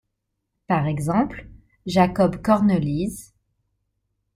Par exemple, Jacob Cornelisz.